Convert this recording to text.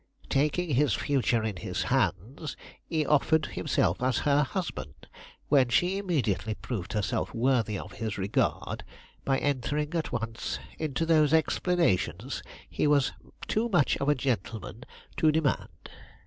Taking his future in his hands, he offered himself as her husband, when she immediately proved herself worthy of his regard by entering at once into those explanations he was too much of a gentleman to demand.